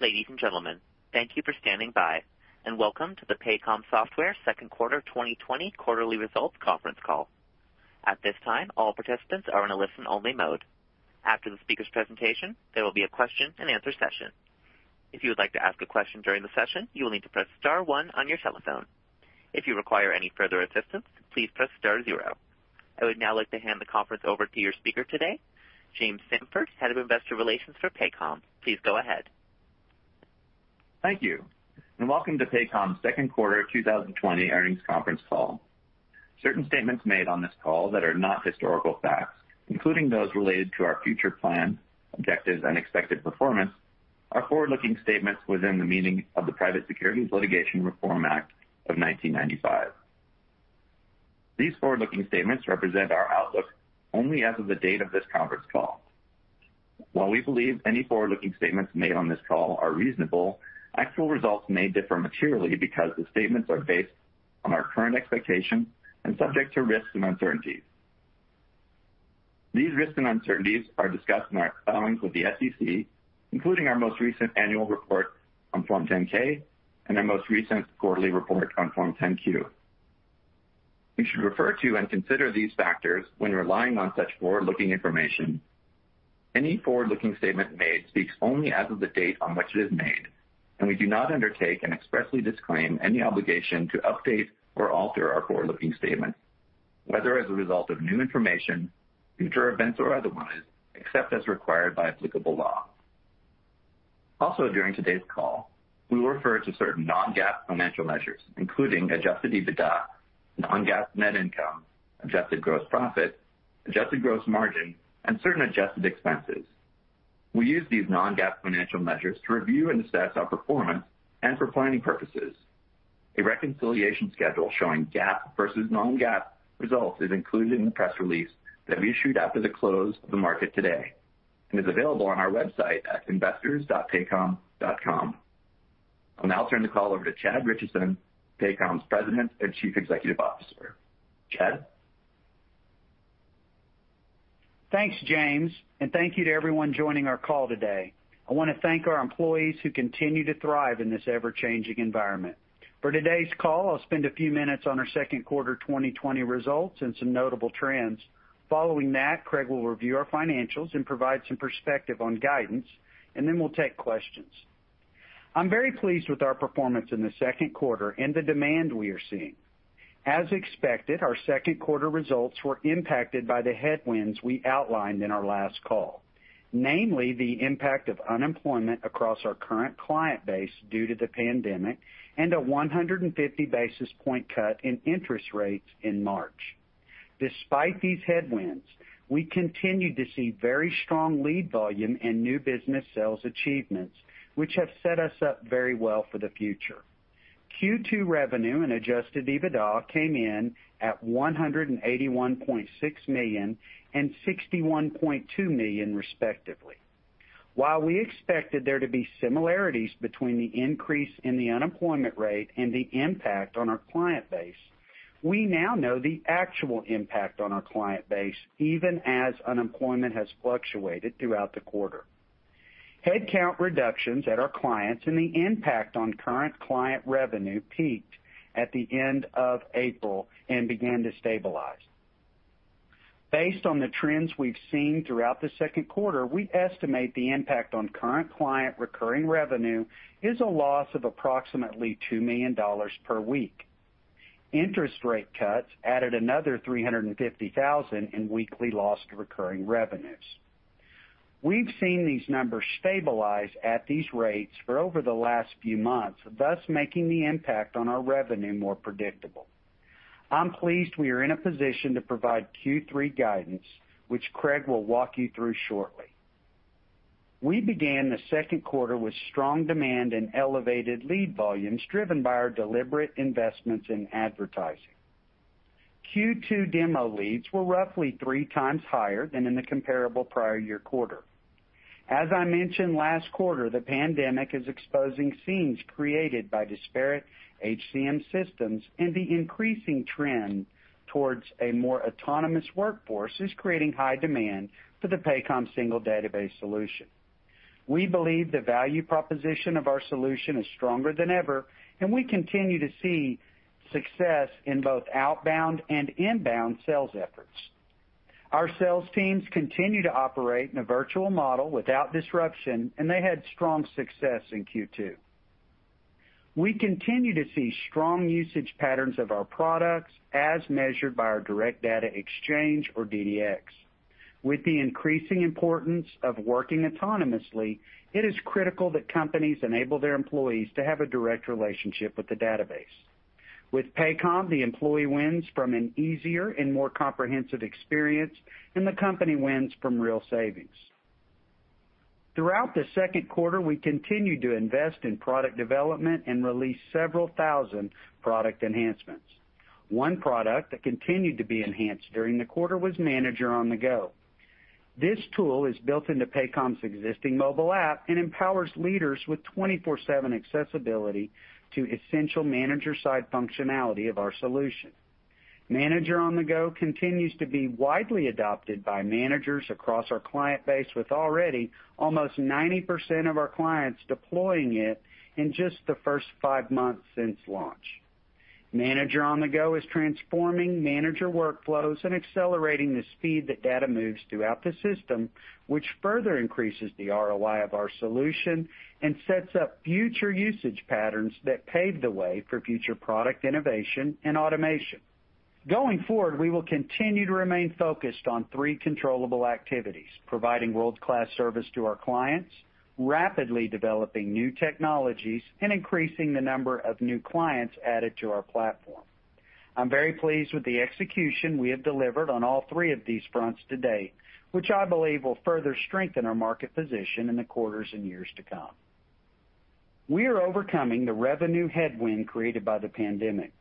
Ladies and gentlemen, thank you for standing by and welcome to the Paycom Software second quarter 2020 quarterly results conference call. I would now like to hand the conference over to your speaker today, James Samford, Head of Investor Relations for Paycom. Please go ahead. Thank you, and welcome to Paycom's second quarter 2020 earnings conference call. Certain statements made on this call that are not historical facts, including those related to our future plans, objectives, and expected performance, are forward-looking statements within the meaning of the Private Securities Litigation Reform Act of 1995. These forward-looking statements represent our outlook only as of the date of this conference call. While we believe any forward-looking statements made on this call are reasonable, actual results may differ materially because the statements are based on our current expectations and subject to risks and uncertainties. These risks and uncertainties are discussed in our filings with the SEC, including our most recent annual report on Form 10-K and our most recent quarterly report on Form 10-Q. You should refer to and consider these factors when relying on such forward-looking information. Any forward-looking statement made speaks only as of the date on which it is made, and we do not undertake and expressly disclaim any obligation to update or alter our forward-looking statements, whether as a result of new information, future events, or otherwise, except as required by applicable law. During today's call, we will refer to certain non-GAAP financial measures, including adjusted EBITDA, non-GAAP net income, adjusted gross profit, adjusted gross margin, and certain adjusted expenses. We use these non-GAAP financial measures to review and assess our performance and for planning purposes. A reconciliation schedule showing GAAP versus non-GAAP results is included in the press release that we issued after the close of the market today and is available on our website at investors.paycom.com. I'll now turn the call over to Chad Richison, Paycom's President and Chief Executive Officer. Chad? Thanks, James. Thank you to everyone joining our call today. I want to thank our employees who continue to thrive in this ever-changing environment. For today's call, I'll spend a few minutes on our second quarter 2020 results and some notable trends. Following that, Craig will review our financials and provide some perspective on guidance. We'll take questions. I'm very pleased with our performance in the second quarter and the demand we are seeing. As expected, our second quarter results were impacted by the headwinds we outlined in our last call, namely the impact of unemployment across our current client base due to the pandemic and a 150 basis point cut in interest rates in March. Despite these headwinds, we continued to see very strong lead volume and new business sales achievements, which have set us up very well for the future. Q2 revenue and adjusted EBITDA came in at $181.6 million and $61.2 million respectively. While we expected there to be similarities between the increase in the unemployment rate and the impact on our client base, we now know the actual impact on our client base, even as unemployment has fluctuated throughout the quarter. Headcount reductions at our clients and the impact on current client revenue peaked at the end of April and began to stabilize. Based on the trends we've seen throughout the second quarter, we estimate the impact on current client recurring revenue is a loss of approximately $2 million per week. Interest rate cuts added another $350,000 in weekly lost recurring revenues. We've seen these numbers stabilize at these rates for over the last few months, thus making the impact on our revenue more predictable. I'm pleased we are in a position to provide Q3 guidance, which Craig will walk you through shortly. We began the second quarter with strong demand and elevated lead volumes driven by our deliberate investments in advertising. Q2 demo leads were roughly three times higher than in the comparable prior year quarter. As I mentioned last quarter, the pandemic is exposing seams created by disparate HCM systems, and the increasing trend towards a more autonomous workforce is creating high demand for the Paycom single database solution. We believe the value proposition of our solution is stronger than ever, and we continue to see success in both outbound and inbound sales efforts. Our sales teams continue to operate in a virtual model without disruption, and they had strong success in Q2. We continue to see strong usage patterns of our products as measured by our Direct Data Exchange or DDX. With the increasing importance of working autonomously, it is critical that companies enable their employees to have a direct relationship with the database. With Paycom, the employee wins from an easier and more comprehensive experience, and the company wins from real savings. Throughout the second quarter, we continued to invest in product development and released several thousand product enhancements. One product that continued to be enhanced during the quarter was Manager on-the-Go. This tool is built into Paycom's existing mobile app and empowers leaders with 24/7 accessibility to essential manager side functionality of our solution. Manager on-the-Go continues to be widely adopted by managers across our client base, with already almost 90% of our clients deploying it in just the first five months since launch. Manager on-the-Go is transforming manager workflows and accelerating the speed that data moves throughout the system, which further increases the ROI of our solution and sets up future usage patterns that pave the way for future product innovation and automation. Going forward, we will continue to remain focused on three controllable activities: providing world-class service to our clients, rapidly developing new technologies, and increasing the number of new clients added to our platform. I'm very pleased with the execution we have delivered on all three of these fronts to date, which I believe will further strengthen our market position in the quarters and years to come. We are overcoming the revenue headwind created by the pandemic.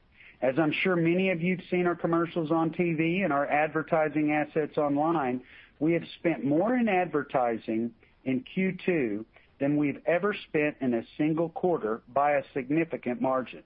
As I'm sure many of you've seen our commercials on TV and our advertising assets online, we have spent more in advertising in Q2 than we've ever spent in a single quarter by a significant margin.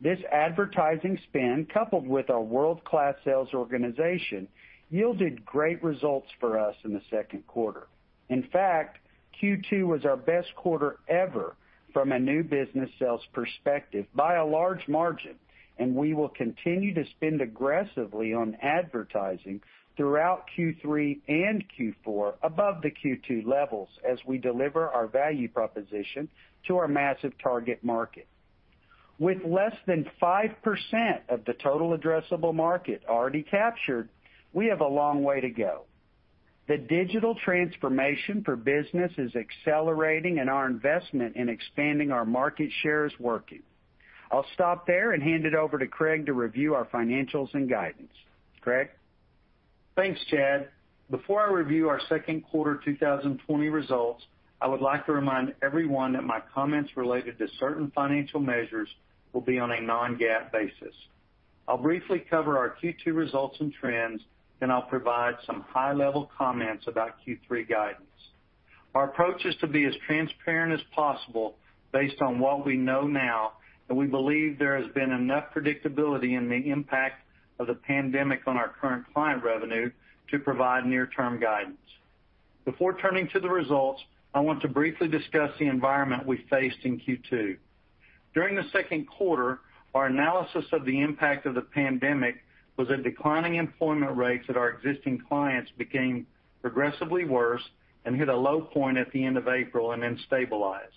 This advertising spend, coupled with our world-class sales organization, yielded great results for us in the second quarter. In fact, Q2 was our best quarter ever from a new business sales perspective by a large margin, and we will continue to spend aggressively on advertising throughout Q3 and Q4 above the Q2 levels as we deliver our value proposition to our massive target market. With less than 5% of the total addressable market already captured, we have a long way to go. The digital transformation for business is accelerating, and our investment in expanding our market share is working. I'll stop there and hand it over to Craig to review our financials and guidance. Craig? Thanks, Chad. Before I review our second quarter 2020 results, I would like to remind everyone that my comments related to certain financial measures will be on a non-GAAP basis. I'll briefly cover our Q2 results and trends, then I'll provide some high-level comments about Q3 guidance. Our approach is to be as transparent as possible based on what we know now, and we believe there has been enough predictability in the impact of the pandemic on our current client revenue to provide near-term guidance. Before turning to the results, I want to briefly discuss the environment we faced in Q2. During the second quarter, our analysis of the impact of the pandemic was that declining employment rates at our existing clients became progressively worse and hit a low point at the end of April and then stabilized.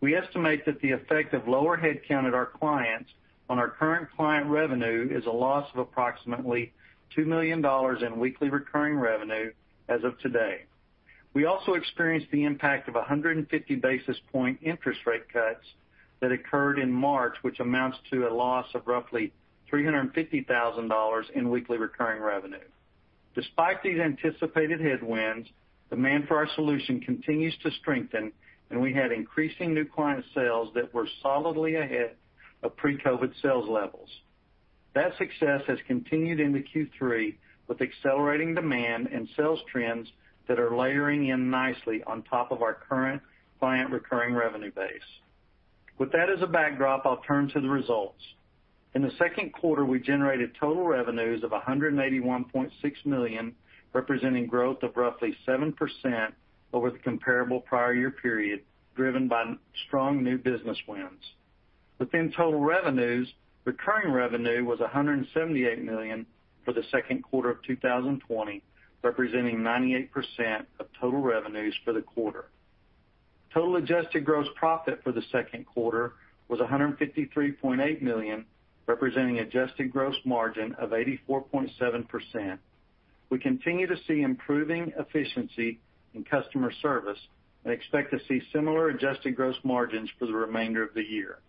We estimate that the effect of lower headcount at our clients on our current client revenue is a loss of approximately $2 million in weekly recurring revenue as of today. We also experienced the impact of 150 basis point interest rate cuts that occurred in March, which amounts to a loss of roughly $350,000 in weekly recurring revenue. Despite these anticipated headwinds, demand for our solution continues to strengthen, and we had increasing new client sales that were solidly ahead of pre-COVID sales levels. That success has continued into Q3 with accelerating demand and sales trends that are layering in nicely on top of our current client recurring revenue base. With that as a backdrop, I'll turn to the results. In the second quarter, we generated total revenues of $181.6 million, representing growth of roughly 7% over the comparable prior year period, driven by strong new business wins. Within total revenues, recurring revenue was $178 million for the second quarter of 2020, representing 98% of total revenues for the quarter. Total adjusted gross profit for the second quarter was $153.8 million, representing adjusted gross margin of 84.7%. We continue to see improving efficiency in customer service and expect to see similar adjusted gross margins for the remainder of the year.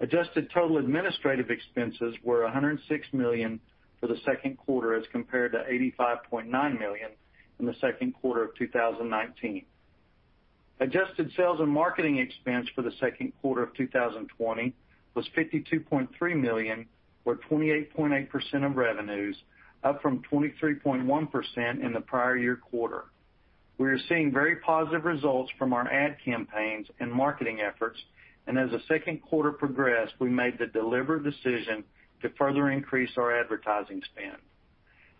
Adjusted total administrative expenses were $106 million for the second quarter as compared to $85.9 million in the second quarter of 2019. Adjusted sales and marketing expense for the second quarter of 2020 was $52.3 million or 28.8% of revenues, up from 23.1% in the prior year quarter. We are seeing very positive results from our ad campaigns and marketing efforts, and as the second quarter progressed, we made the deliberate decision to further increase our advertising spend.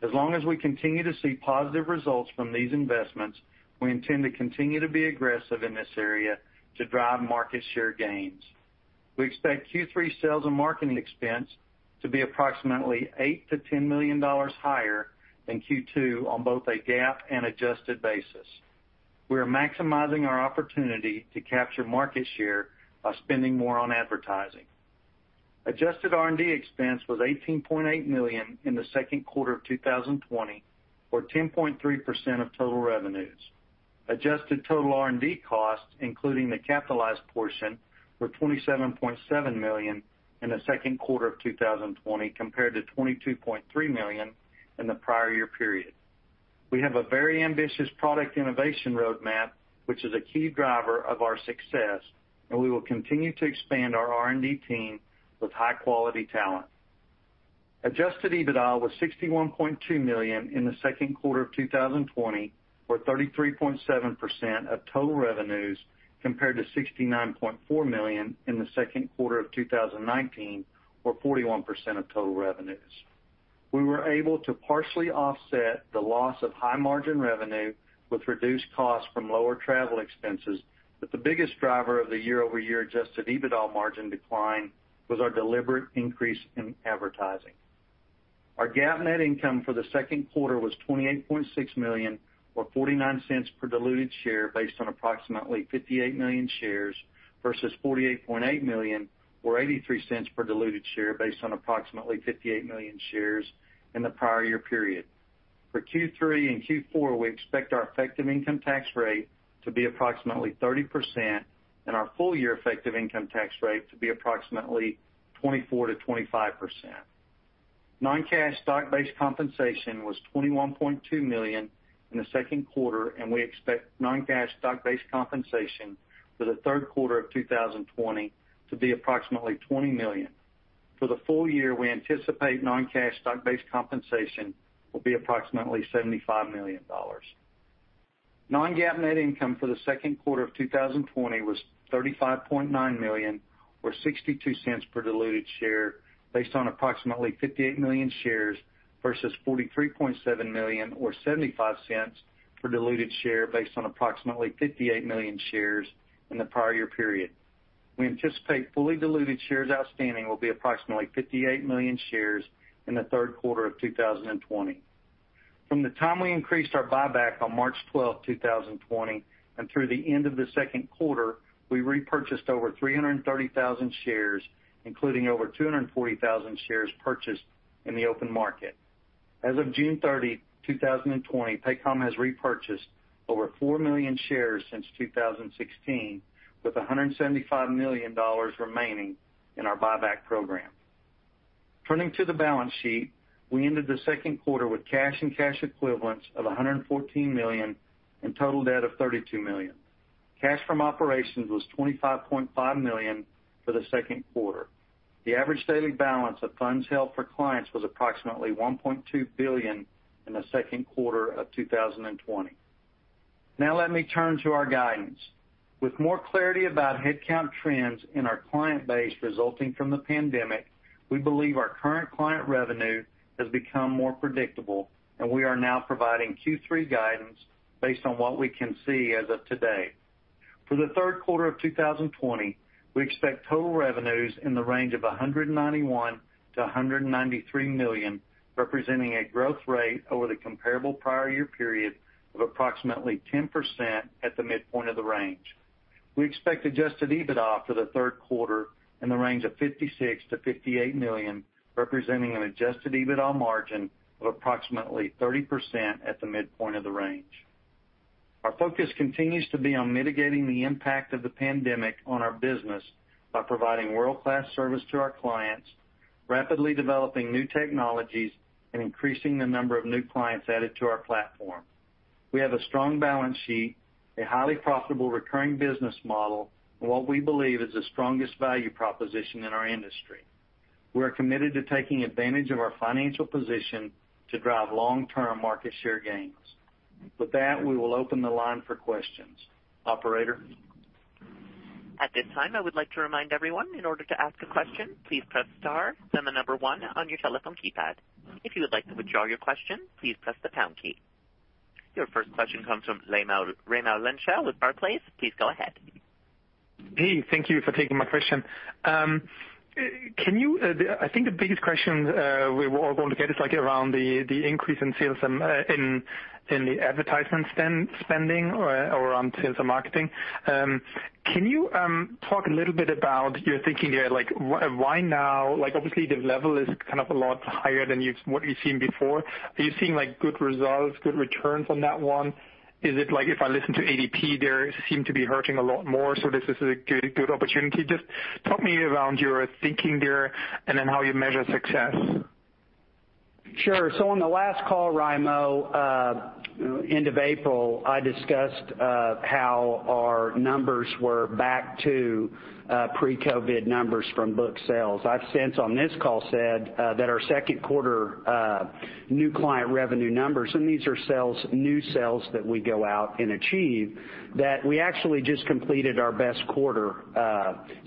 As long as we continue to see positive results from these investments, we intend to continue to be aggressive in this area to drive market share gains. We expect Q3 sales and marketing expense to be approximately $8 million-$10 million higher than Q2 on both a GAAP and adjusted basis. We are maximizing our opportunity to capture market share by spending more on advertising. Adjusted R&D expense was $18.8 million in Q2 2020, or 10.3% of total revenues. Adjusted total R&D costs, including the capitalized portion, were $27.7 million in Q2 2020, compared to $22.3 million in the prior year period. We have a very ambitious product innovation roadmap, which is a key driver of our success, and we will continue to expand our R&D team with high-quality talent. Adjusted EBITDA was $61.2 million in the second quarter of 2020, or 33.7% of total revenues, compared to $69.4 million in the second quarter of 2019, or 41% of total revenues. We were able to partially offset the loss of high-margin revenue with reduced costs from lower travel expenses, but the biggest driver of the year-over-year adjusted EBITDA margin decline was our deliberate increase in advertising. Our GAAP net income for the second quarter was $28.6 million, or $0.49 per diluted share based on approximately 58 million shares, versus $48.8 million, or $0.83 per diluted share based on approximately 58 million shares in the prior year period. For Q3 and Q4, we expect our effective income tax rate to be approximately 30%, and our full year effective income tax rate to be approximately 24%-25%. Non-cash stock-based compensation was $21.2 million in the second quarter, and we expect non-cash stock-based compensation for the third quarter of 2020 to be approximately $20 million. For the full year, we anticipate non-cash stock-based compensation will be approximately $75 million. Non-GAAP net income for the second quarter of 2020 was $35.9 million, or $0.62 per diluted share based on approximately 58 million shares versus $43.7 million, or $0.75 per diluted share based on approximately 58 million shares in the prior year period. We anticipate fully diluted shares outstanding will be approximately 58 million shares in the third quarter of 2020. From the time we increased our buyback on March 12th, 2020, and through the end of the second quarter, we repurchased over 330,000 shares, including over 240,000 shares purchased in the open market. As of June 30, 2020, Paycom has repurchased over 4 million shares since 2016, with $175 million remaining in our buyback program. Turning to the balance sheet, we ended the second quarter with cash and cash equivalents of $114 million and total debt of $32 million. Cash from operations was $25.5 million for the second quarter. The average daily balance of funds held for clients was approximately $1.2 billion in the second quarter of 2020. Now let me turn to our guidance. With more clarity about headcount trends in our client base resulting from the pandemic, we believe our current client revenue has become more predictable, and we are now providing Q3 guidance based on what we can see as of today. For the third quarter of 2020, we expect total revenues in the range of $191 million-$193 million, representing a growth rate over the comparable prior year period of approximately 10% at the midpoint of the range. We expect adjusted EBITDA for the third quarter in the range of $56 million-$58 million, representing an adjusted EBITDA margin of approximately 30% at the midpoint of the range. Our focus continues to be on mitigating the impact of the pandemic on our business by providing world-class service to our clients, rapidly developing new technologies, and increasing the number of new clients added to our platform. We have a strong balance sheet, a highly profitable recurring business model, and what we believe is the strongest value proposition in our industry. We're committed to taking advantage of our financial position to drive long-term market share gains. With that, we will open the line for questions. Operator? Your first question comes from Raimo Lenschow with Barclays. Please go ahead. Hey, thank you for taking my question. I think the biggest question we're all going to get is around the increase in the advertisement spending or on sales and marketing. Can you talk a little bit about your thinking there? Why now? Obviously, the level is a lot higher than what you've seen before. Are you seeing good results, good returns on that one? Is it like if I listen to ADP, they seem to be hurting a lot more, so this is a good opportunity? Just talk me around your thinking there, and then how you measure success. Sure. On the last call, Raimo, end of April, I discussed how our numbers were back to pre-COVID numbers from book sales. I've since on this call said that our second quarter new client revenue numbers, and these are new sales that we go out and achieve, that we actually just completed our best quarter.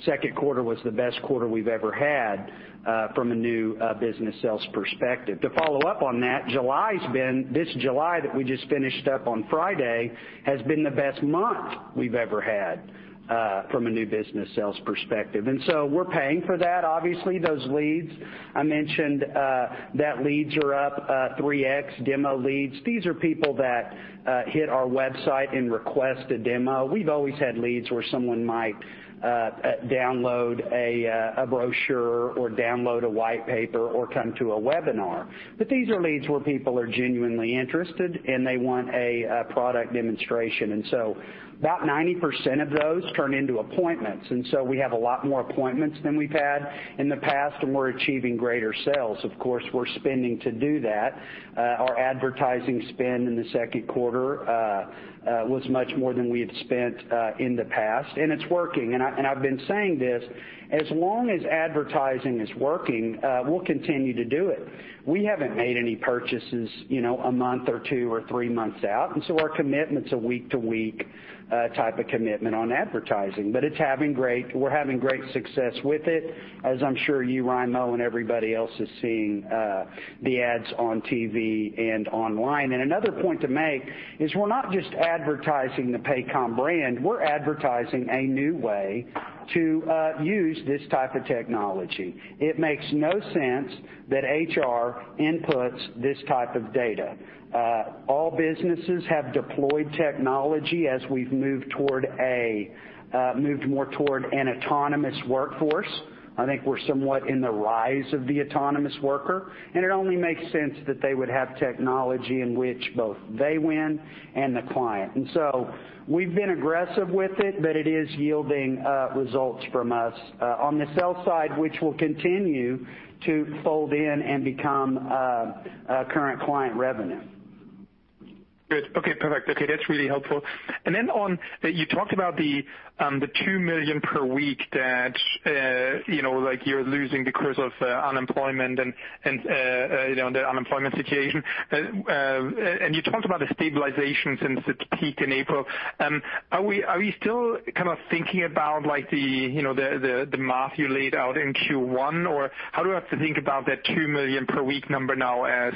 Second quarter was the best quarter we've ever had from a new business sales perspective. To follow up on that, this July that we just finished up on Friday has been the best month we've ever had from a new business sales perspective. We're paying for that. Obviously, those leads I mentioned, that leads are up 3x, demo leads. These are people that hit our website and request a demo. We've always had leads where someone might download a brochure or download a white paper or come to a webinar. These are leads where people are genuinely interested, and they want a product demonstration. About 90% of those turn into appointments, and we have a lot more appointments than we've had in the past, and we're achieving greater sales. Of course, we're spending to do that. Our advertising spend in the second quarter was much more than we had spent in the past, and it's working. I've been saying this, as long as advertising is working, we'll continue to do it. We haven't made any purchases a month or two or three months out, our commitment's a week-to-week type of commitment on advertising. We're having great success with it, as I'm sure you, Raimo, and everybody else is seeing the ads on TV and online. Another point to make is we're not just advertising the Paycom brand, we're advertising a new way to use this type of technology. It makes no sense that HR inputs this type of data. All businesses have deployed technology as we've moved more toward an autonomous workforce. I think we're somewhat in the rise of the autonomous worker, and it only makes sense that they would have technology in which both they win and the client. We've been aggressive with it, but it is yielding results from us on the sales side, which will continue to fold in and become current client revenue. Good. Okay, perfect. Okay, that's really helpful. You talked about the $2 million per week that you're losing because of unemployment and the unemployment situation. You talked about a stabilization since its peak in April. Are we still kind of thinking about the math you laid out in Q1, or how do I have to think about that $2 million per week number now as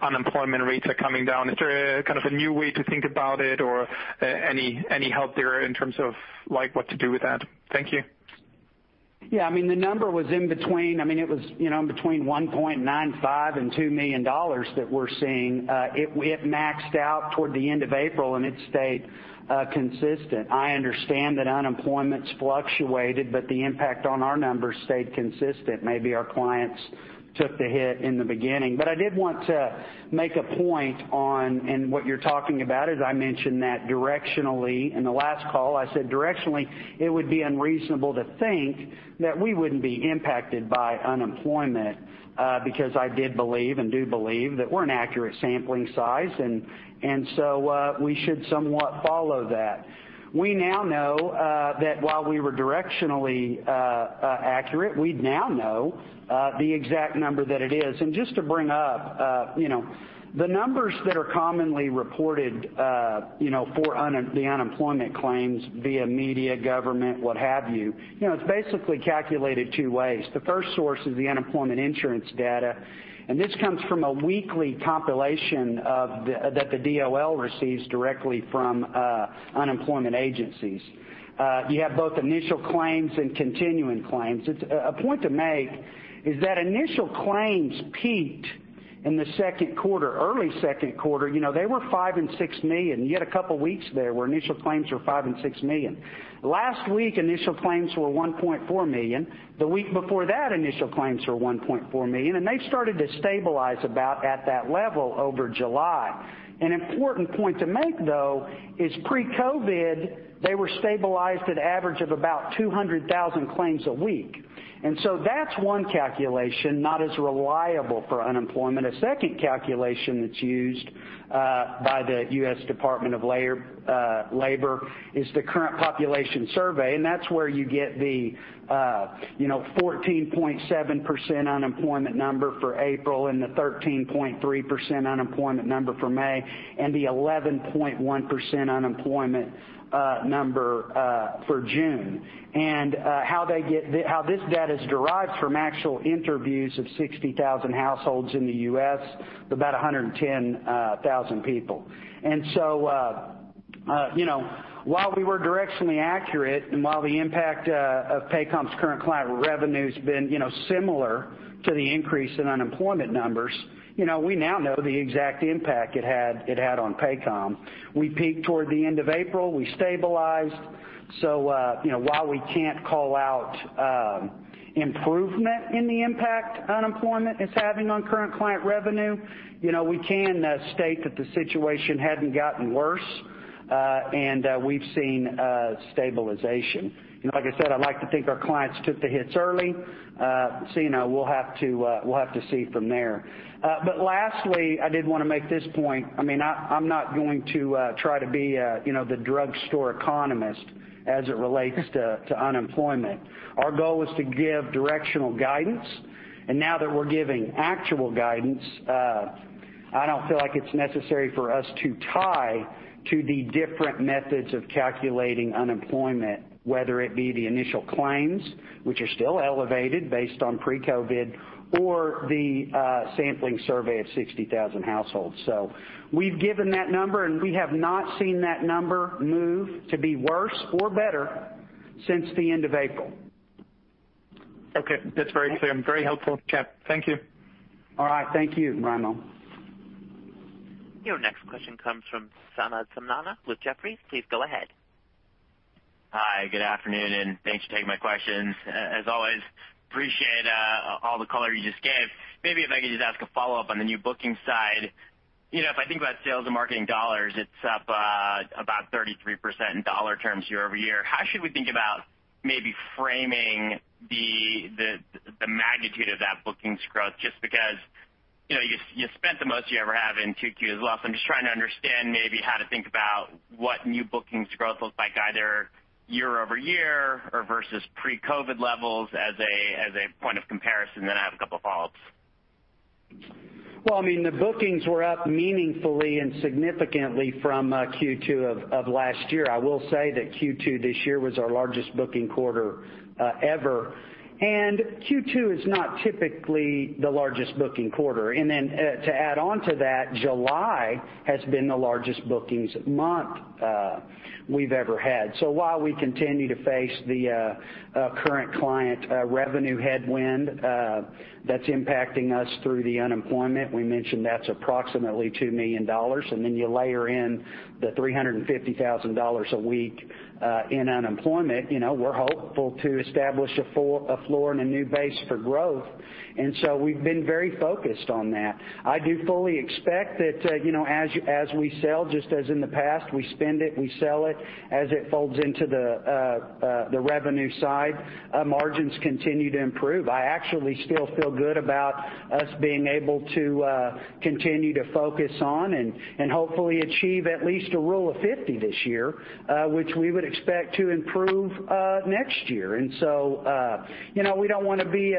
unemployment rates are coming down? Is there kind of a new way to think about it, or any help there in terms of what to do with that? Thank you. Yeah. The number was between $1.95 and $2 million that we're seeing. It maxed out toward the end of April, and it stayed consistent. I understand that unemployment's fluctuated, but the impact on our numbers stayed consistent. Maybe our clients took the hit in the beginning. I did want to make a point what you're talking about is I mentioned that directionally, in the last call, I said directionally it would be unreasonable to think that we wouldn't be impacted by unemployment, because I did believe and do believe that we're an accurate sampling size, and so we should somewhat follow that. We now know that while we were directionally accurate, we now know the exact number that it is. Just to bring up, the numbers that are commonly reported for the unemployment claims via media, government, what have you, it's basically calculated two ways. The first source is the unemployment insurance data, and this comes from a weekly compilation that the DOL receives directly from unemployment agencies. You have both initial claims and continuing claims. A point to make is that initial claims peaked in the second quarter, early second quarter. They were five and six million. You had a couple of weeks there where initial claims were five and six million. Last week, initial claims were 1.4 million, the week before that, initial claims were 1.4 million, and they started to stabilize about at that level over July. An important point to make, though, is pre-COVID, they were stabilized at average of about 200,000 claims a week. That's one calculation, not as reliable for unemployment. A second calculation that's used by the U.S. Department of Labor is the Current Population Survey, and that's where you get the 14.7% unemployment number for April, the 13.3% unemployment number for May, and the 11.1% unemployment number for June. How this data is derived from actual interviews of 60,000 households in the U.S., about 110,000 people. While we were directionally accurate and while the impact of Paycom's current client revenue's been similar to the increase in unemployment numbers, we now know the exact impact it had on Paycom. We peaked toward the end of April. We stabilized. While we can't call out improvement in the impact unemployment is having on current client revenue, we can state that the situation hadn't gotten worse, and we've seen stabilization. Like I said, I'd like to think our clients took the hits early, we'll have to see from there. Lastly, I did want to make this point. I'm not going to try to be the drugstore economist as it relates to unemployment. Our goal is to give directional guidance. Now that we're giving actual guidance, I don't feel like it's necessary for us to tie to the different methods of calculating unemployment, whether it be the initial claims, which are still elevated based on pre-COVID, or the sampling survey of 60,000 households. We've given that number, and we have not seen that number move to be worse or better since the end of April. Okay. That's very clear and very helpful, Chad. Thank you. All right. Thank you, Raimo. Your next question comes from Samad Samana with Jefferies. Please go ahead. Hi, good afternoon, and thanks for taking my questions. As always, appreciate all the color you just gave. Maybe if I could just ask a follow-up on the new booking side. If I think about sales and marketing dollars, it's up about 33% in dollar terms year-over-year. How should we think about maybe framing the magnitude of that bookings growth, just because you spent the most you ever have in 2Q as well. I'm just trying to understand maybe how to think about what new bookings growth looks like, either year-over-year or versus pre-COVID levels as a point of comparison. I have a couple of follow-ups. Well, the bookings were up meaningfully and significantly from Q2 of last year. I will say that Q2 this year was our largest booking quarter ever. Q2 is not typically the largest booking quarter. Then to add on to that, July has been the largest bookings month we've ever had. While we continue to face the current client revenue headwind that's impacting us through the unemployment, we mentioned that's approximately $2 million. Then you layer in the $350,000 a week in unemployment. We're hopeful to establish a floor and a new base for growth. We've been very focused on that. I do fully expect that as we sell, just as in the past, we spend it, we sell it, as it folds into the revenue side, margins continue to improve. I actually still feel good about us being able to continue to focus on and hopefully achieve at least a Rule of 50 this year, which we would expect to improve next year. We don't want to be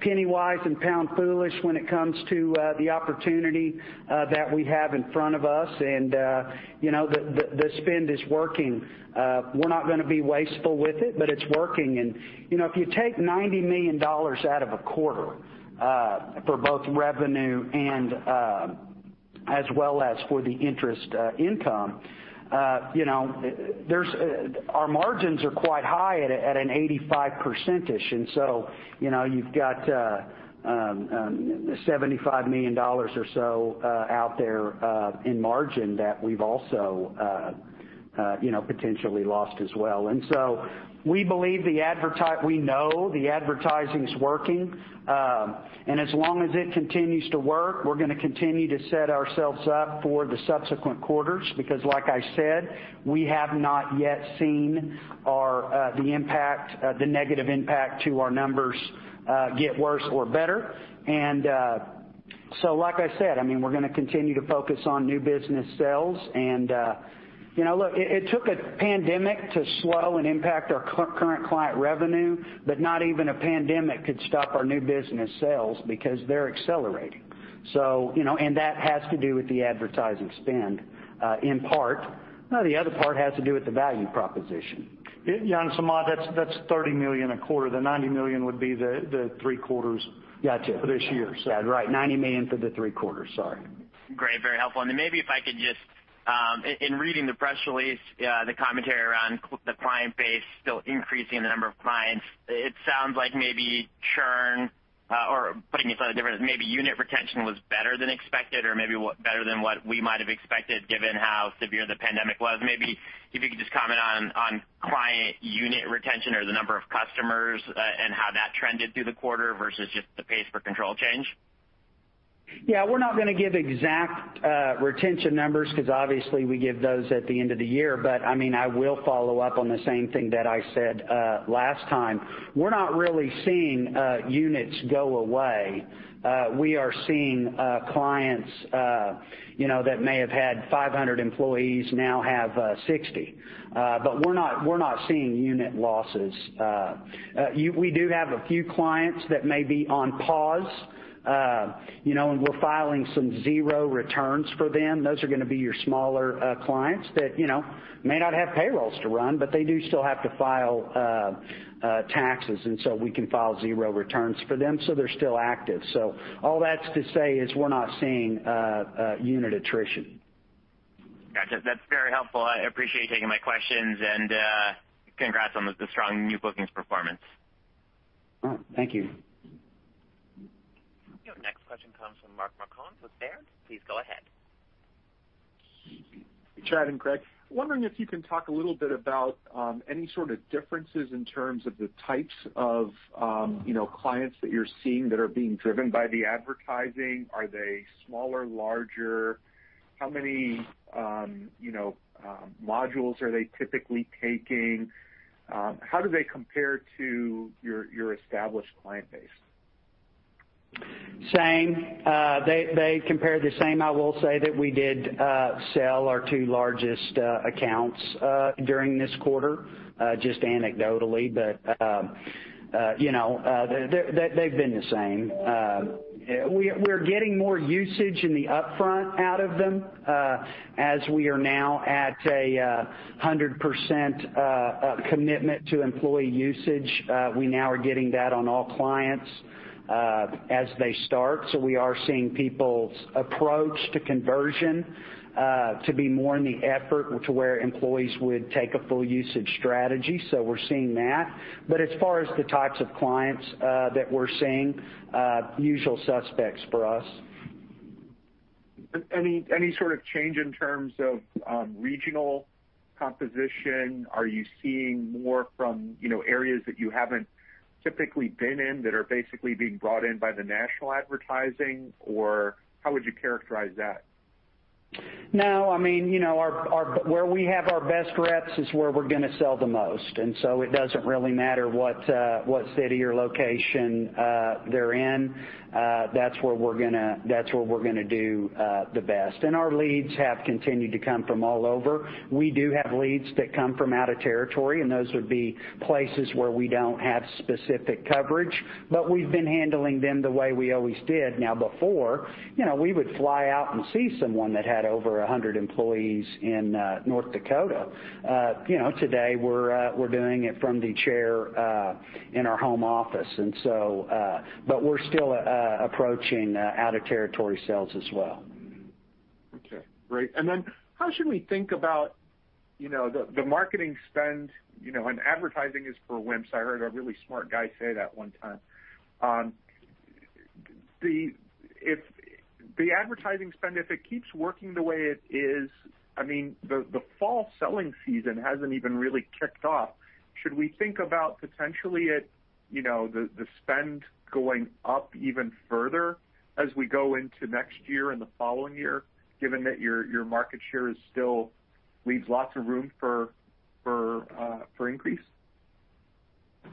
penny-wise and pound-foolish when it comes to the opportunity that we have in front of us. The spend is working. We're not going to be wasteful with it, but it's working. If you take $90 million out of a quarter, for both revenue and as well as for the interest income, our margins are quite high at an 85%-ish. You've got $75 million or so out there in margin that we've also potentially lost as well. We know the advertising's working. As long as it continues to work, we're going to continue to set ourselves up for the subsequent quarters because, like I said, we have not yet seen the negative impact to our numbers get worse or better. Like I said, we're going to continue to focus on new business sales. Look, it took a pandemic to slow and impact our current client revenue, but not even a pandemic could stop our new business sales because they're accelerating. That has to do with the advertising spend in part. The other part has to do with the value proposition. Yeah, Samad, that's $30 million a quarter. The $90 million would be the three quarters. Got you. for this year. Yeah, right. $90 million for the three quarters. Sorry. Great. Very helpful. Maybe if I could In reading the press release, the commentary around the client base still increasing the number of clients, it sounds like maybe churn or putting it slightly different, maybe unit retention was better than expected or maybe better than what we might have expected given how severe the pandemic was. Maybe if you could just comment on client unit retention or the number of customers, and how that trended through the quarter versus just the pace for control change. Yeah. We're not going to give exact retention numbers because obviously we give those at the end of the year. I will follow up on the same thing that I said last time. We're not really seeing units go away. We are seeing clients that may have had 500 employees now have 60. We're not seeing unit losses. We do have a few clients that may be on pause, and we're filing some zero returns for them. Those are going to be your smaller clients that may not have payrolls to run, but they do still have to file taxes, and so we can file zero returns for them so they're still active. All that's to say is we're not seeing unit attrition. Gotcha, that's very helpful. I appreciate you taking my questions, and congrats on the strong new bookings performance. Thank you. Your next question comes from Mark Marcon with Baird. Please go ahead. Chad and Craig, wondering if you can talk a little bit about any sort of differences in terms of the types of clients that you're seeing that are being driven by the advertising. Are they smaller, larger? How many modules are they typically taking? How do they compare to your established client base? Same. They compare the same. I will say that we did sell our two largest accounts during this quarter, just anecdotally, but they've been the same. We're getting more usage in the upfront out of them, as we are now at a 100% commitment to employee usage. We now are getting that on all clients as they start. We are seeing people's approach to conversion to be more in the effort to where employees would take a full usage strategy. We're seeing that. As far as the types of clients that we're seeing, usual suspects for us. Any sort of change in terms of regional composition? Are you seeing more from areas that you haven't typically been in that are basically being brought in by the national advertising, or how would you characterize that? No. Where we have our best reps is where we're going to sell the most, and so it doesn't really matter what city or location they're in. That's where we're going to do the best. Our leads have continued to come from all over. We do have leads that come from out of territory, and those would be places where we don't have specific coverage. We've been handling them the way we always did. Now, before we would fly out and see someone that had over 100 employees in North Dakota. Today, we're doing it from the chair in our home office. We're still approaching out-of-territory sales as well. Okay, great. How should we think about the marketing spend? Advertising is for wimps. I heard a really smart guy say that one time. The advertising spend, if it keeps working the way it is, the fall selling season hasn't even really kicked off. Should we think about potentially the spend going up even further as we go into next year and the following year, given that your market share still leaves lots of room for increase?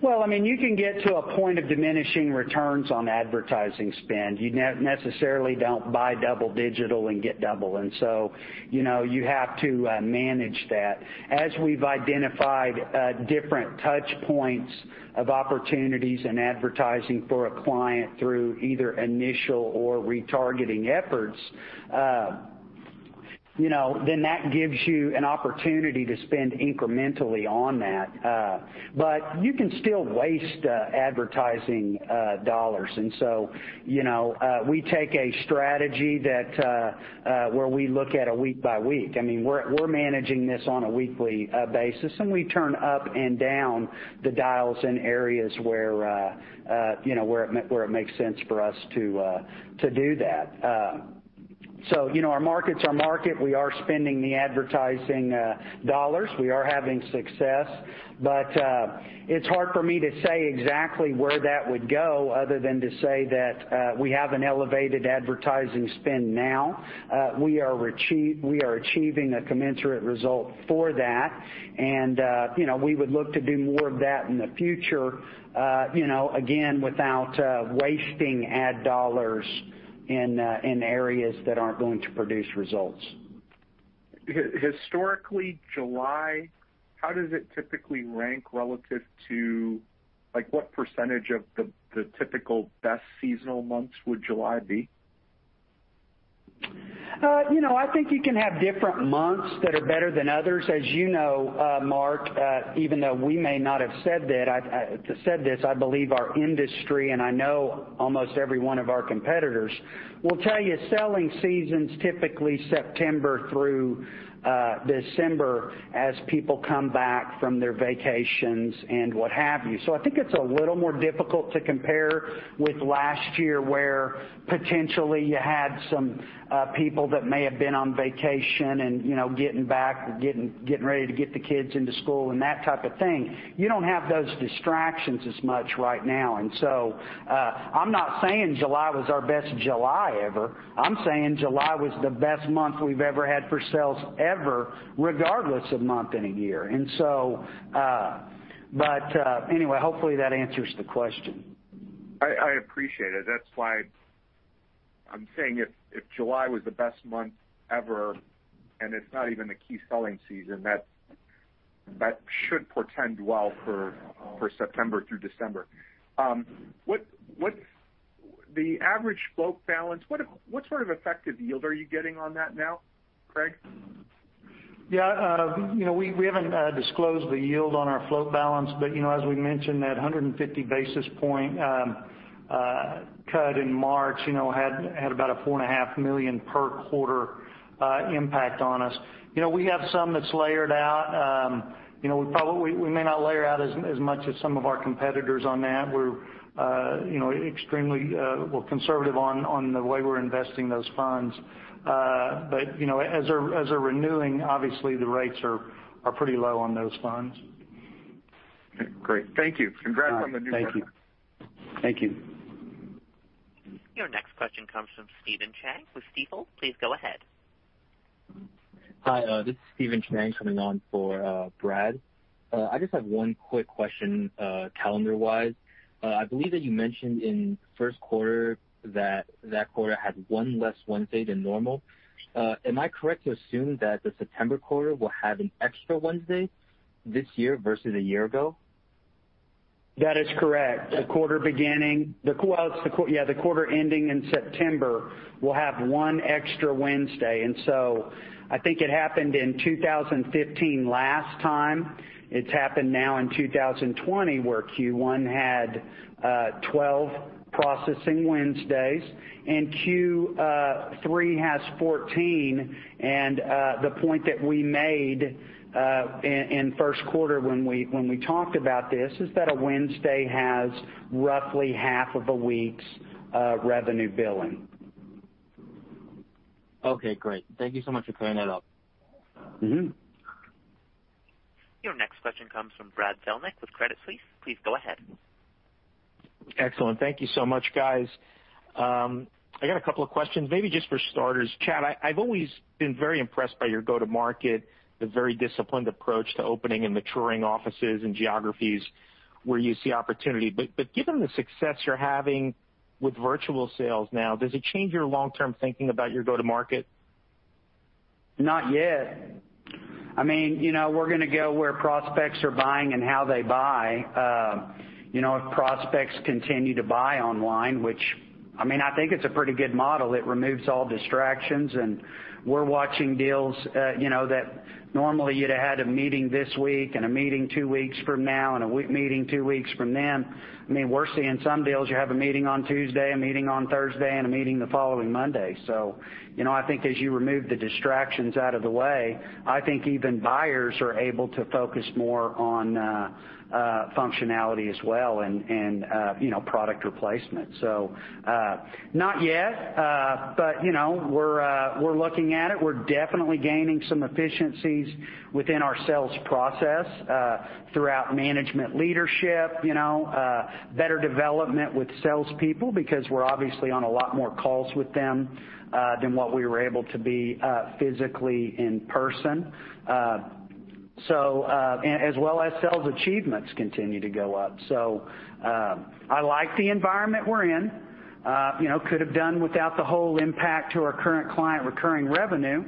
Well, you can get to a point of diminishing returns on advertising spend. You necessarily don't buy double digital and get double. You have to manage that. As we've identified different touch points of opportunities in advertising for a client through either initial or retargeting efforts, then that gives you an opportunity to spend incrementally on that. You can still waste advertising dollars. We take a strategy where we look at it week by week. We're managing this on a weekly basis, and we turn up and down the dials in areas where it makes sense for us to do that. Our markets are market. We are spending the advertising dollars. We are having success, but it's hard for me to say exactly where that would go other than to say that we have an elevated advertising spend now. We are achieving a commensurate result for that. We would look to do more of that in the future, again, without wasting ad dollars in areas that aren't going to produce results. Historically, July, how does it typically rank like, what percentage of the typical best seasonal months would July be? I think you can have different months that are better than others. As you know, Mark, even though we may not have said this, I believe our industry, and I know almost every one of our competitors will tell you selling season's typically September through December, as people come back from their vacations and what have you. I think it's a little more difficult to compare with last year, where potentially you had some people that may have been on vacation and getting back and getting ready to get the kids into school and that type of thing. You don't have those distractions as much right now. I'm not saying July was our best July ever. I'm saying July was the best month we've ever had for sales, ever, regardless of month and year. Anyway, hopefully, that answers the question. I appreciate it. That's why I'm saying if July was the best month ever, and it's not even a key selling season, that should portend well for September through December. The average float balance, what sort of effective yield are you getting on that now, Craig? Yeah. We haven't disclosed the yield on our float balance, as we mentioned, that 150 basis point cut in March had about a four and a half million per quarter impact on us. We have some that's layered out. We may not layer out as much as some of our competitors on that. We're extremely conservative on the way we're investing those funds. As we're renewing, obviously, the rates are pretty low on those funds. Okay, great. Thank you. Congrats on the new business. Thank you. Thank you. Your next question comes from Steven Chang with Stifel. Please go ahead. Hi, this is Steven Chang coming on for Brad. I just have one quick question calendar-wise. I believe that you mentioned in first quarter that that quarter had one less Wednesday than normal. Am I correct to assume that the September quarter will have an extra Wednesday this year versus a year ago? That is correct. The quarter ending in September will have one extra Wednesday, and so I think it happened in 2015 last time. It's happened now in 2020, where Q1 had 12 processing Wednesdays, and Q3 has 14. The point that we made in first quarter when we talked about this is that a Wednesday has roughly half of a week's revenue billing. Okay, great. Thank you so much for clearing that up. Your next question comes from Brad Zelnick with Credit Suisse. Please go ahead. Excellent. Thank you so much, guys. I got a couple of questions. Maybe just for starters, Chad, I've always been very impressed by your go-to-market, the very disciplined approach to opening and maturing offices and geographies where you see opportunity. Given the success you're having with virtual sales now, does it change your long-term thinking about your go-to-market? Not yet. We're going to go where prospects are buying and how they buy. If prospects continue to buy online, which I think it's a pretty good model. It removes all distractions, and we're watching deals that normally you'd have had a meeting this week and a meeting two weeks from now, and a meeting two weeks from then. We're seeing some deals, you have a meeting on Tuesday, a meeting on Thursday, and a meeting the following Monday. I think as you remove the distractions out of the way, I think even buyers are able to focus more on functionality as well and product replacement. Not yet, but we're looking at it. We're definitely gaining some efficiencies within our sales process throughout management leadership. Better development with salespeople, because we're obviously on a lot more calls with them, than what we were able to be physically in person. As well as sales achievements continue to go up, so I like the environment we're in. Could have done without the whole impact to our current client recurring revenue.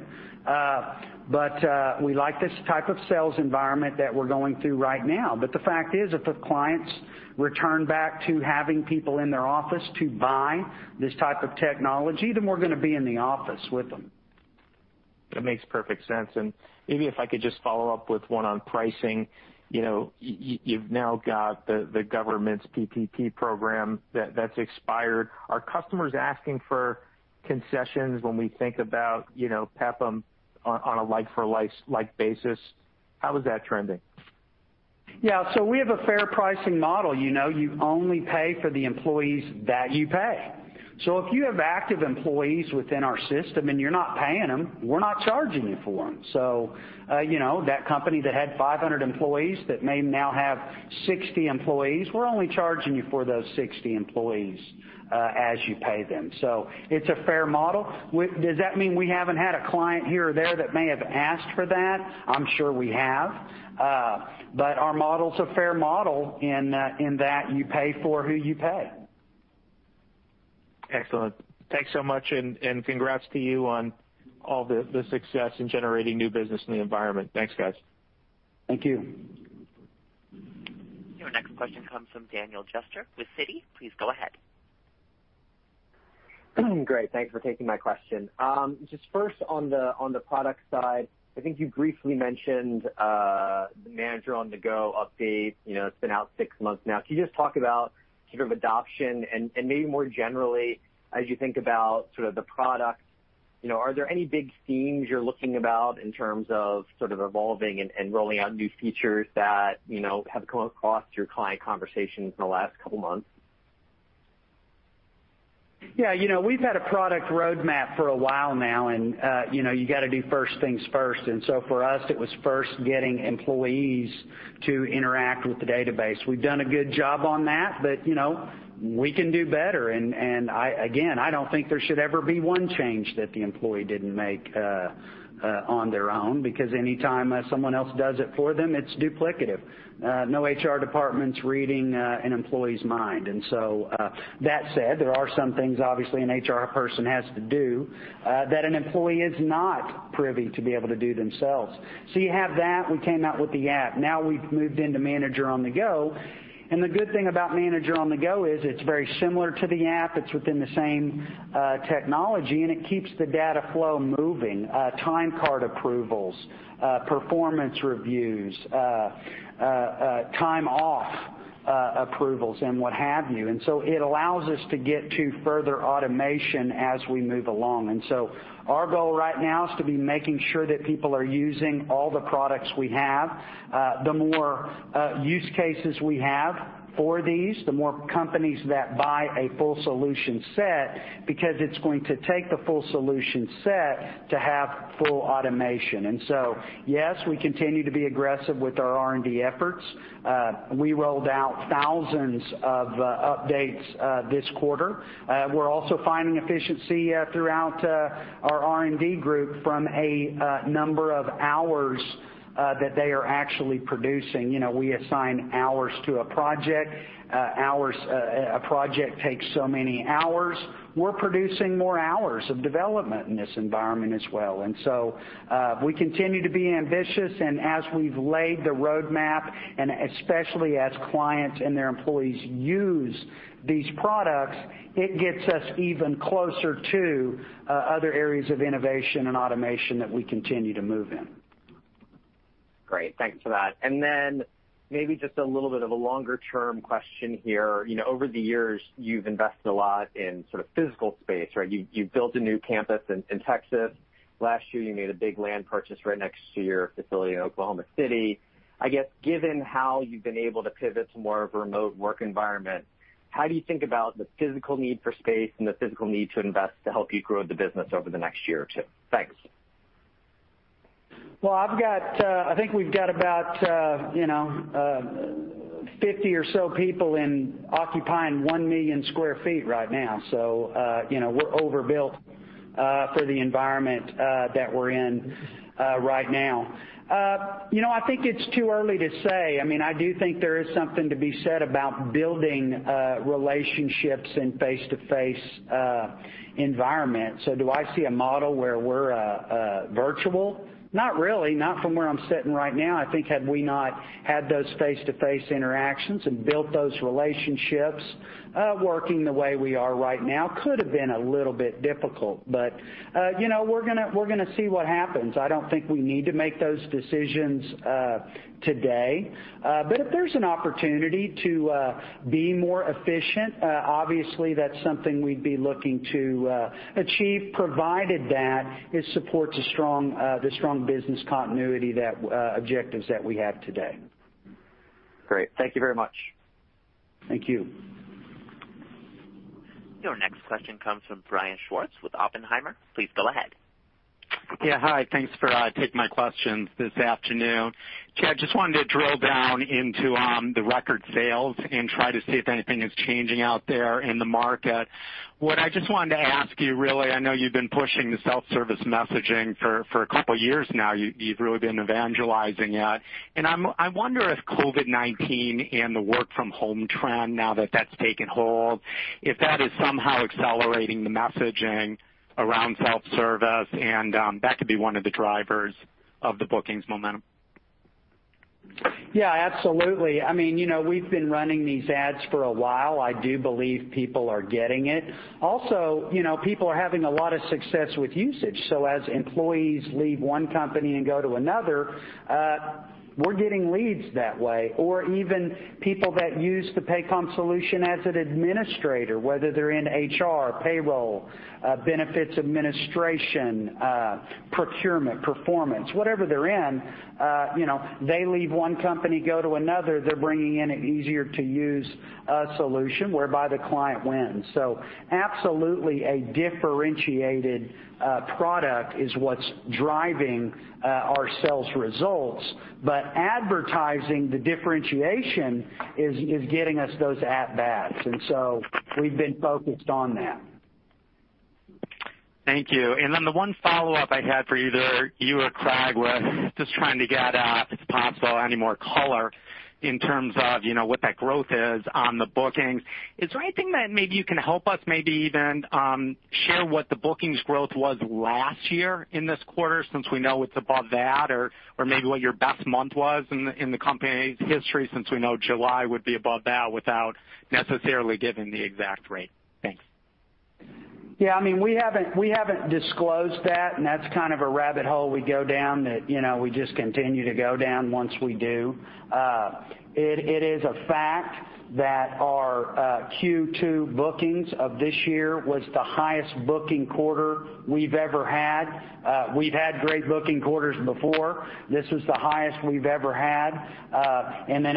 We like this type of sales environment that we're going through right now. The fact is, if the clients return back to having people in their office to buy this type of technology, then we're going to be in the office with them. That makes perfect sense. Maybe if I could just follow up with one on pricing. You've now got the government's PPP program that's expired. Are customers asking for concessions when we think about Paycom on a like for like basis? How is that trending? We have a fair pricing model. You only pay for the employees that you pay. If you have active employees within our system and you're not paying them, we're not charging you for them. That company that had 500 employees that may now have 60 employees, we're only charging you for those 60 employees as you pay them, so it's a fair model. Does that mean we haven't had a client here or there that may have asked for that? I'm sure we have, but our model's a fair model in that you pay for who you pay. Excellent. Thanks so much. Congrats to you on all the success in generating new business in the environment. Thanks, guys. Thank you. Your next question comes from Daniel Jester with Citi. Please go ahead. Great, thanks for taking my question. Just first on the product side, I think you briefly mentioned Manager on-the-Go update. It's been out six months now. Can you just talk about sort of adoption and maybe more generally, as you think about the product, are there any big themes you're looking about in terms of sort of evolving and rolling out new features that have come across your client conversations in the last couple of months? Yeah. We've had a product roadmap for a while now. You've got to do first things first, and for us, it was first getting employees to interact with the database. We've done a good job on that, we can do better. Again, I don't think there should ever be one change that the employee didn't make on their own, because any time someone else does it for them, it's duplicative. No HR department's reading an employee's mind. That said, there are some things obviously an HR person has to do that an employee is not privy to be able to do themselves. You have that. We came out with the app. Now we've moved into Manager on-the-Go. The good thing about Manager on-the-Go is it's very similar to the app. It's within the same technology, and it keeps the data flow moving. Timecard approvals, performance reviews, time off approvals, and what have you. It allows us to get to further automation as we move along. Our goal right now is to be making sure that people are using all the products we have. The more use cases we have for these, the more companies that buy a full solution set, because it's going to take the full solution set to have full automation. Yes, we continue to be aggressive with our R&D efforts. We rolled out thousands of updates this quarter. We're also finding efficiency throughout our R&D group from a number of hours that they are actually producing. We assign hours to a project. A project takes so many hours. We're producing more hours of development in this environment as well. We continue to be ambitious and as we've laid the roadmap, and especially as clients and their employees use these products, it gets us even closer to other areas of innovation and automation that we continue to move in. Great, thanks for that. Maybe just a little bit of a longer-term question here. Over the years, you've invested a lot in physical space, right? You built a new campus in Texas. Last year, you made a big land purchase right next to your facility in Oklahoma City. I guess given how you've been able to pivot to more of a remote work environment, how do you think about the physical need for space and the physical need to invest to help you grow the business over the next year or two? Thanks. I think we've got about 50 or so people and occupying 1 million sq ft right now. We're overbuilt for the environment that we're in right now. I think it's too early to say. I do think there is something to be said about building relationships in face-to-face environment. Do I see a model where we're virtual? Not really, not from where I'm sitting right now. I think had we not had those face-to-face interactions and built those relationships, working the way we are right now could have been a little bit difficult. We're going to see what happens. I don't think we need to make those decisions today. If there's an opportunity to be more efficient, obviously that's something we'd be looking to achieve, provided that it supports the strong business continuity objectives that we have today. Great. Thank you very much. Thank you. Your next question comes from Brian Schwartz with Oppenheimer. Please go ahead. Yeah, hi. Thanks for taking my questions this afternoon. Chad, just wanted to drill down into the record sales and try to see if anything is changing out there in the market. What I just wanted to ask you, really, I know you've been pushing the self-service messaging for a couple years now. You've really been evangelizing it, and I wonder if COVID-19 and the work-from-home trend, now that that's taken hold, if that is somehow accelerating the messaging around self-service and that could be one of the drivers of the bookings momentum. Yeah, absolutely. We've been running these ads for a while, I do believe people are getting it, people are having a lot of success with usage, so as employees leave one company and go to another, we're getting leads that way. Even people that use the Paycom solution as an administrator, whether they're in HR, payroll, benefits administration, procurement, performance, whatever they're in, they leave one company, go to another, they're bringing in an easier-to-use solution, whereby the client wins. Absolutely, a differentiated product is what's driving our sales results. Advertising the differentiation is getting us those at-bats, we've been focused on that. Thank you. The one follow-up I had for either you or Craig was just trying to get, if possible, any more color in terms of what that growth is on the bookings. Is there anything that maybe you can help us maybe even share what the bookings growth was last year in this quarter since we know it's above that? Maybe what your best month was in the company's history since we know July would be above that without necessarily giving the exact rate. Thanks. Yeah, we haven't disclosed that, and that's kind of a rabbit hole we go down that we just continue to go down once we do. It is a fact that our Q2 bookings of this year was the highest booking quarter we've ever had. We've had great booking quarters before. This was the highest we've ever had.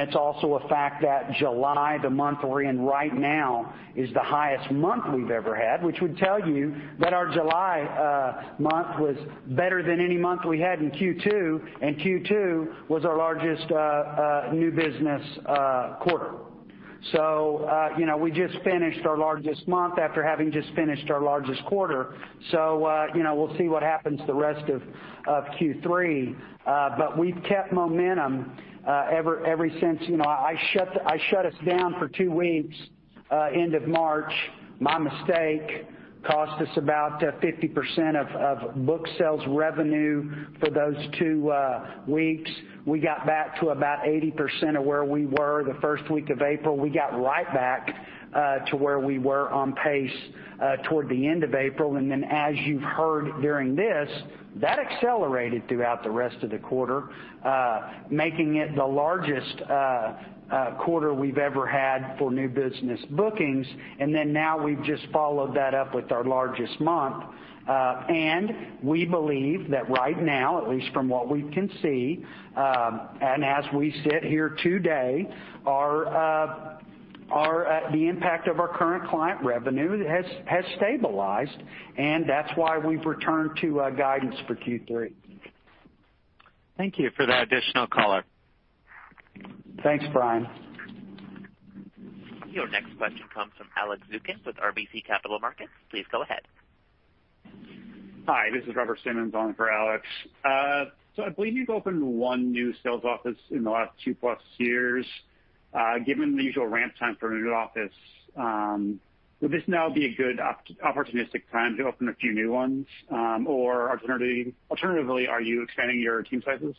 It's also a fact that July, the month we're in right now, is the highest month we've ever had, which would tell you that our July month was better than any month we had in Q2, and Q2 was our largest new business quarter. We just finished our largest month after having just finished our largest quarter. We'll see what happens the rest of Q3. We've kept momentum ever since. I shut us down for two weeks end of March, my mistake. Cost us about 50% of book sales revenue for those two weeks. We got back to about 80% of where we were the first week of April. We got right back to where we were on pace toward the end of April, and as you've heard during this, that accelerated throughout the rest of the quarter, making it the largest quarter we've ever had for new business bookings. Now we've just followed that up with our largest month. We believe that right now, at least from what we can see, and as we sit here today, the impact of our current client revenue has stabilized, and that's why we've returned to guidance for Q3. Thank you for the additional color. Thanks, Brian. Your next question comes from Alex Zukin with RBC Capital Markets. Please go ahead. Hi, this is Robert Simmons on for Alex. I believe you've opened one new sales office in the last two-plus years. Given the usual ramp time for a new office, would this now be a good opportunistic time to open a few new ones? Alternatively, are you expanding your team sizes?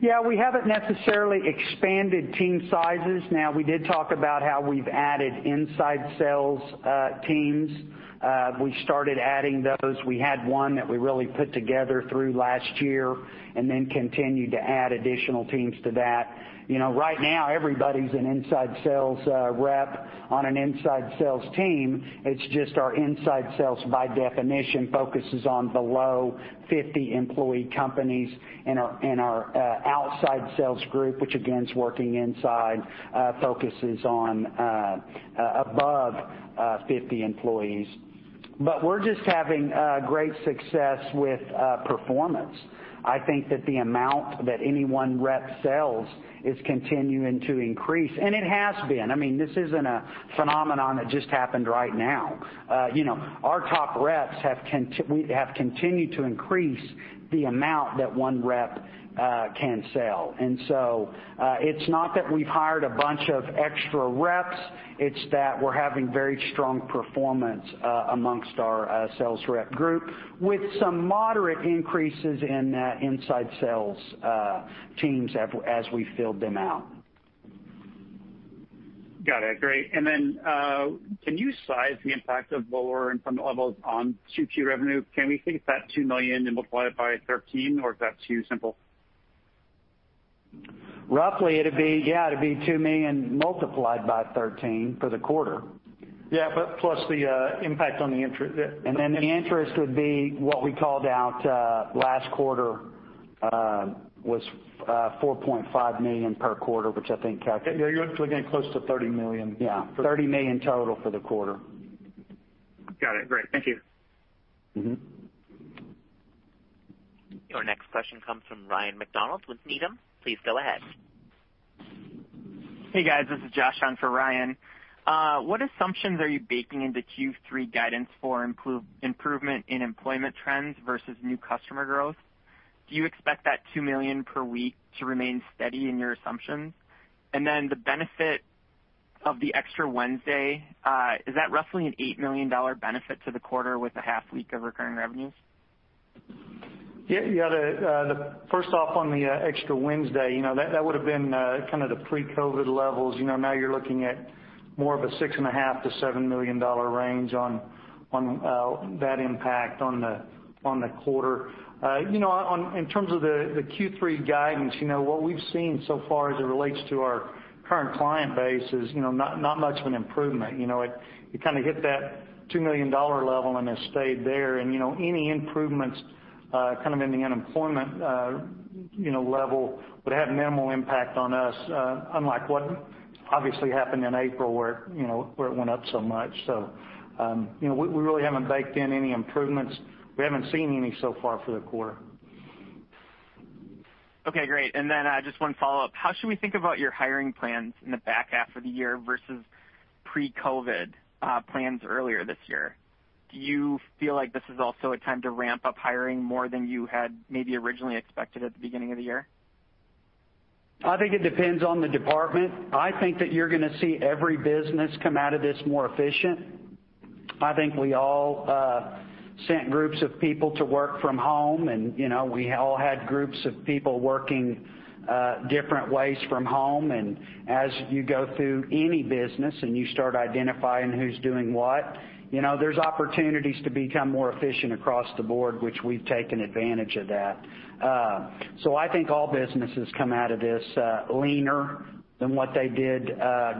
Yeah, we haven't necessarily expanded team sizes. We did talk about how we've added inside sales teams. We started adding those, we had one that we really put together through last year continued to add additional teams to that. Right now, everybody's an inside sales rep on an inside sales team. It's just our inside sales, by definition, focuses on below 50-employee companies, our outside sales group, which again, is working inside, focuses on above 50 employees. We're just having great success with performance. I think that the amount that any one rep sells is continuing to increase, and it has been. This isn't a phenomenon that just happened right now. Our top reps have continued to increase the amount that one rep can sell. It's not that we've hired a bunch of extra reps, it's that we're having very strong performance amongst our sales rep group with some moderate increases in inside sales teams as we filled them out. Got it, great. Can you size the impact of lower employment levels on Q2 revenue? Can we think of that $2 million and multiply it by 13, or is that too simple? Roughly, it'd be 2 million multiplied by 13 for the quarter. Yeah. plus the impact on the interest. The interest would be what we called out last quarter, was $4.5 million per quarter. You're looking at close to $30 million. Yeah. $30 million total for the quarter. Got it. Great. Thank you. Your next question comes from Ryan MacDonald with Needham. Please go ahead. Hey, guys. This is Josh on for Ryan. What assumptions are you baking into Q3 guidance for improvement in employment trends versus new customer growth? Do you expect that two million per week to remain steady in your assumptions? The benefit of the extra Wednesday, is that roughly an $8 million benefit to the quarter with a half week of recurring revenues? Yeah. First off, on the extra Wednesday, that would've been kind of the pre-COVID levels. Now you're looking at more of a $6.5 million-$7 million range on that impact on the quarter. In terms of the Q3 guidance, what we've seen so far as it relates to our current client base is not much of an improvement. It kind of hit that $2 million level, and it stayed there. Any improvements kind of in the unemployment level would have minimal impact on us, unlike what obviously happened in April, where it went up so much. We really haven't baked in any improvements. We haven't seen any so far for the quarter. Okay, great. Just one follow-up. How should we think about your hiring plans in the back half of the year versus pre-COVID plans earlier this year? Do you feel like this is also a time to ramp up hiring more than you had maybe originally expected at the beginning of the year? I think it depends on the department. I think that you're going to see every business come out of this more efficient. I think we all sent groups of people to work from home, and we all had groups of people working different ways from home. As you go through any business, and you start identifying who's doing what, there's opportunities to become more efficient across the board, which we've taken advantage of that. I think all businesses come out of this leaner than what they did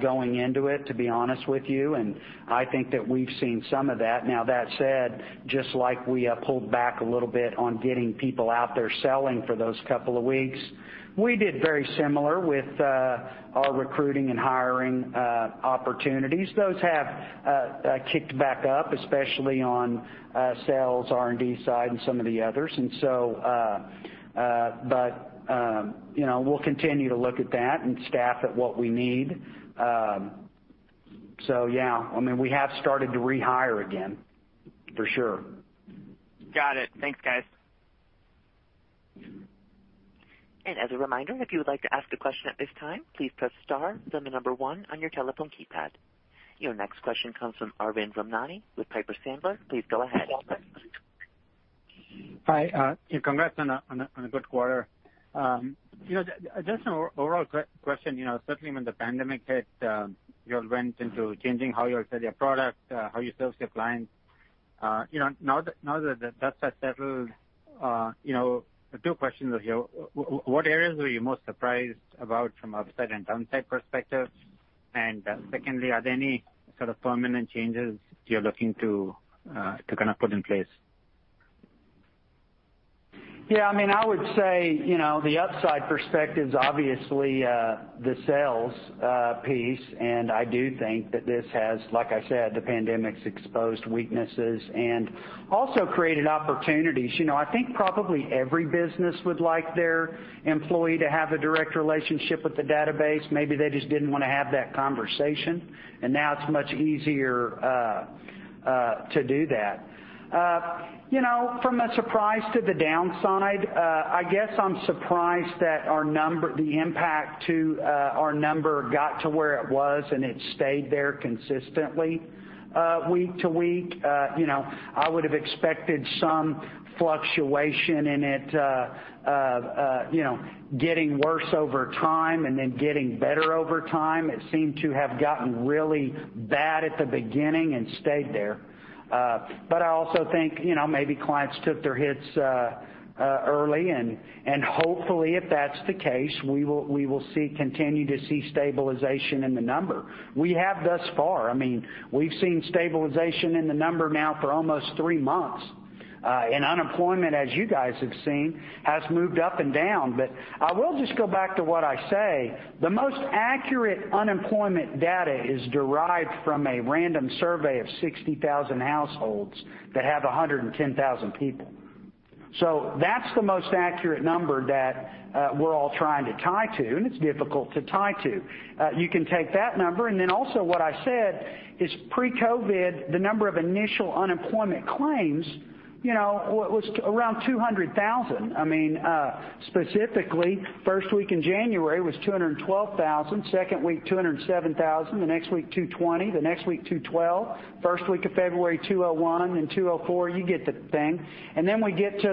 going into it, to be honest with you, and I think that we've seen some of that. That said, just like we pulled back a little bit on getting people out there selling for those couple of weeks, we did very similar with our recruiting and hiring opportunities. Those have kicked back up, especially on sales, R&D side, and some of the others. We'll continue to look at that and staff at what we need. Yeah, we have started to rehire again, for sure. Got it. Thanks, guys. Your next question comes from Arvind Ramnani with Piper Sandler. Please go ahead. Hi, congrats on a good quarter. Just an overall question. Certainly when the pandemic hit, you all went into changing how you sell your product, how you service your clients. Now that that's settled, two questions. What areas were you most surprised about from an upside and downside perspective? Secondly, are there any sort of permanent changes you're looking to kind of put in place? I would say, the upside perspective's obviously the sales piece, and I do think that this has, like I said, the pandemic's exposed weaknesses and also created opportunities. I think probably every business would like their employee to have a direct relationship with the database. Maybe they just didn't want to have that conversation, and now it's much easier to do that. From a surprise to the downside, I guess I'm surprised that the impact to our number got to where it was, and it stayed there consistently week to week. I would've expected some fluctuation in it, getting worse over time and then getting better over time. It seemed to have gotten really bad at the beginning and stayed there. I also think maybe clients took their hits early, and hopefully, if that's the case, we will continue to see stabilization in the number. We have thus far. We've seen stabilization in the number now for almost three months. Unemployment, as you guys have seen, has moved up and down. I will just go back to what I say, the most accurate unemployment data is derived from a random survey of 60,000 households that have 110,000 people. That's the most accurate number that we're all trying to tie to, and it's difficult to tie to. You can take that number, and then also what I said is pre-COVID, the number of initial unemployment claims was around 200,000. Specifically, first week in January was 212,000, second week, 207,000, the next week, 220, the next week, 212. First week of February, 201, then 204, you get the thing. Then we get to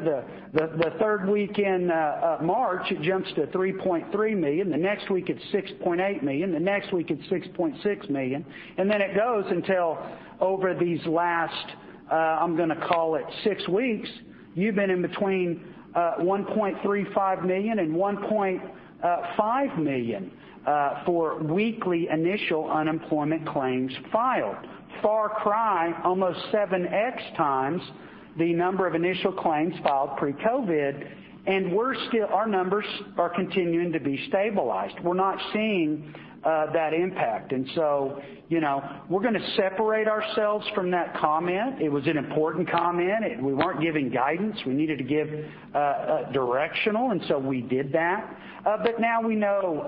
the third week in March, it jumps to 3.3 million. The next week it's 6.8 million. The next week it's $6.6 million. Then it goes until over these last, I'm going to call it six weeks, you've been in between $1.35 million and $1.5 million for weekly initial unemployment claims filed. Far cry, almost 7x times the number of initial claims filed pre-COVID. Our numbers are continuing to be stabilized. We're not seeing that impact. We're going to separate ourselves from that comment. It was an important comment. We weren't giving guidance. We needed to give directional, so we did that. Now we know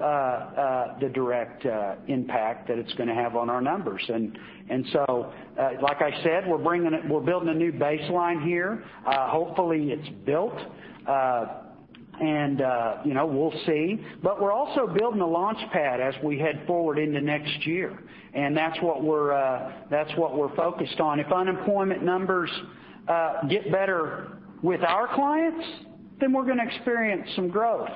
the direct impact that it's going to have on our numbers. Like I said, we're building a new baseline here. Hopefully, it's built. We'll see. We're also building a launch pad as we head forward into next year. That's what we're focused on. If unemployment numbers get better with our clients, then we're going to experience some growth.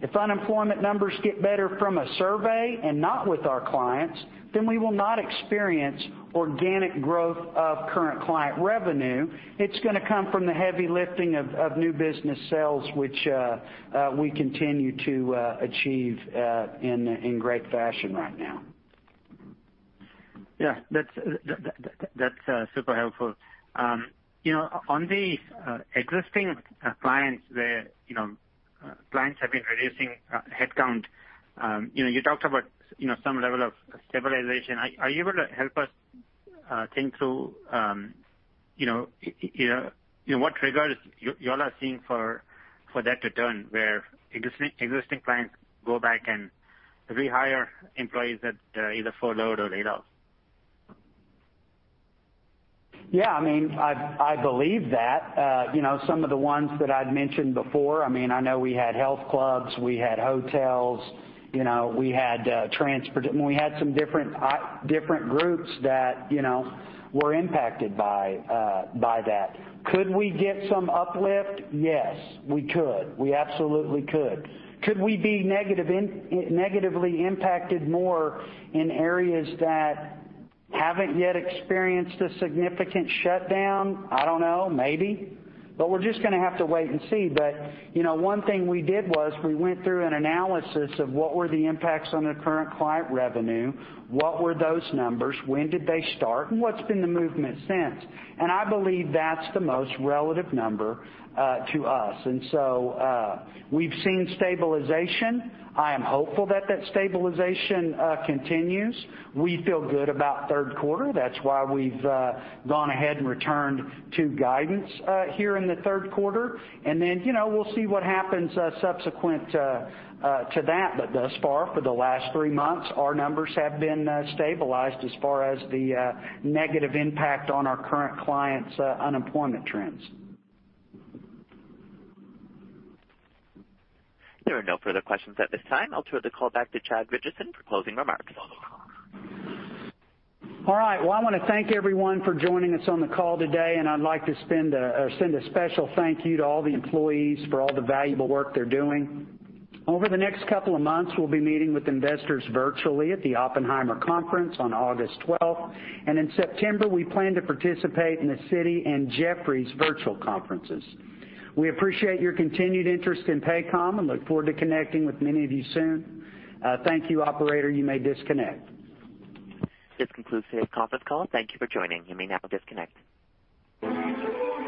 If unemployment numbers get better from a survey and not with our clients, then we will not experience organic growth of current client revenue. It's going to come from the heavy lifting of new business sales, which we continue to achieve in great fashion right now. Yeah, that's super helpful. On the existing clients, where clients have been reducing headcount, you talked about some level of stabilization. Are you able to help us think through what triggers you all are seeing for that to turn, where existing clients go back and rehire employees that either furloughed or laid off? Yeah, I believe that. Some of the ones that I'd mentioned before, I know we had health clubs, we had hotels. We had some different groups that were impacted by that. Could we get some uplift? Yes, we could. We absolutely could. Could we be negatively impacted more in areas that haven't yet experienced a significant shutdown? I don't know, maybe. We're just going to have to wait and see. One thing we did was we went through an analysis of what were the impacts on the current client revenue, what were those numbers, when did they start, and what's been the movement since. I believe that's the most relative number to us. We've seen stabilization. I am hopeful that that stabilization continues, we feel good about third quarter. That's why we've gone ahead and returned to guidance here in the third quarter. Then we'll see what happens subsequent to that. Thus far, for the last three months, our numbers have been stabilized as far as the negative impact on our current clients' unemployment trends. There are no further questions at this time. I'll turn the call back to Chad Richison for closing remarks. All right. I want to thank everyone for joining us on the call today, and I'd like to send a special thank you to all the employees for all the valuable work they're doing. Over the next couple of months, we'll be meeting with investors virtually at the Oppenheimer Conference on August 12th. In September, we plan to participate in the Citi and Jefferies virtual conferences. We appreciate your continued interest in Paycom and look forward to connecting with many of you soon. Thank you, operator. You may disconnect. This concludes today's conference call. Thank you for joining, you may now disconnect.